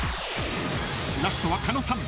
［ラストは狩野さん。